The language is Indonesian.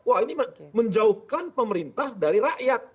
wah ini menjauhkan pemerintah dari rakyat